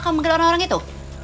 kamu mungkin orang orang itu